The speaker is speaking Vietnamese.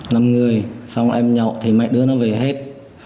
năm người xong em nhậu thì mấy đứa nó về hết